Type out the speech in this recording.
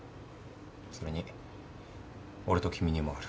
それに俺と君にもある。